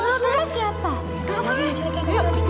dahlah kasih tolong aku